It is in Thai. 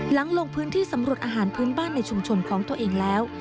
ลงพื้นที่สำรวจอาหารพื้นบ้านในชุมชนของตัวเองแล้ว